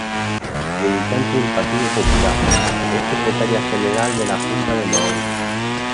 Militante del Partido Popular, es secretaria general de la junta de Mahón.